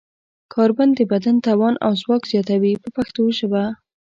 کار د بدن توان او ځواک زیاتوي په پښتو ژبه.